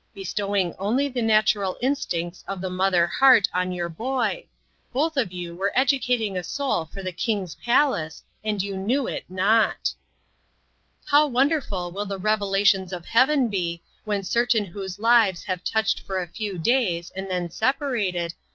bestowing only the natural instincts of the mother heart on your boy both of you were educating a soul for the King's palace, and you knew it not ! How wonderful will the revelations of heaven be, when certain whose lives have touched for a few days and then separated, BUD IN SEARCH OF COMFORT.